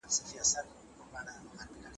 خدیجې په مینه خپلې لور ته غږ کړ چې د ننه راشي.